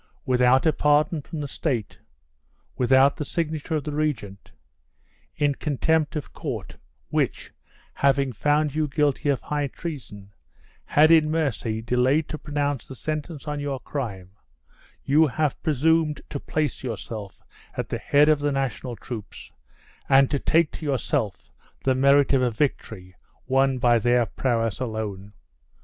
Without a pardon from the state; without the signature of the regent; in contempt of court, which, having found you guilty of high treason, had in mercy delayed to pronounce the sentence on your crime, you have presumed to place yourself at the head of the national troops, and to take to yourself the merit of a victory won by their prowess alone!